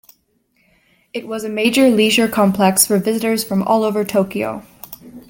It was a major leisure complex for visitors from all over Tokyo.